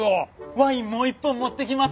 ワインもう１本持ってきます。